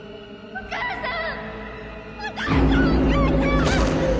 お母さん！